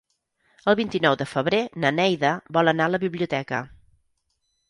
El vint-i-nou de febrer na Neida vol anar a la biblioteca.